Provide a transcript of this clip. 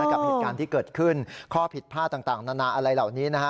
กับเหตุการณ์ที่เกิดขึ้นข้อผิดพลาดต่างนานาอะไรเหล่านี้นะฮะ